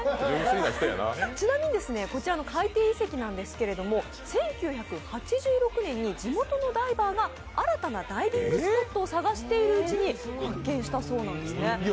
ちなみにこちらの海底遺跡なんですけれども１９８６年に地元のダイバーが新たなタイビングスポットを探しているうちに発見したそうなんですね。